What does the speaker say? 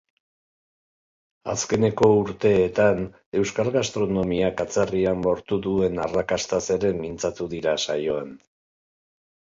Azkeneko urteetan, euskal gastronomiak atzerrian lortu duen arrakastaz ere mintzatu dira saioan.